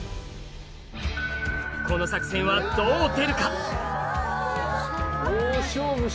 この作戦はどう出るか？